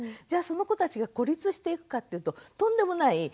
じゃあその子たちが孤立していくかっていうととんでもない。